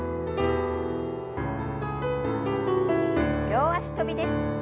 両脚跳びです。